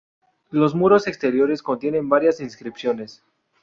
Los muros exteriores contienen varias inscripciones.